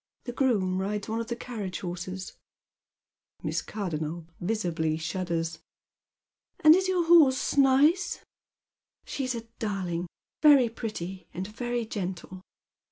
The groom rides one of the carriage horses." jVIiss Cardonnel visibly shuddera. " And is your horse nice ?"" She's a darling, very pretty, and very gentle."